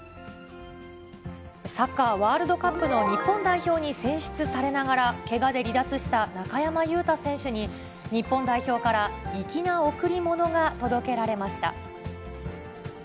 サッカーワールドカップの日本代表に選出されながら、けがで離脱した中山雄太選手に、日本代表から粋な贈り物が届けられました。